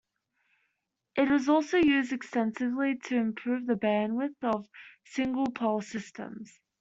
It is also used extensively to improve the bandwidth of single pole systems.